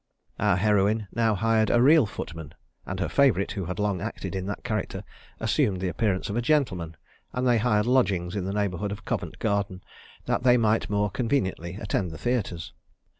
Our heroine now hired a real footman; and her favourite, who had long acted in that character, assumed the appearance of a gentleman; and they hired lodgings in the neighbourhood of Covent Garden, that they might more conveniently attend the theatres.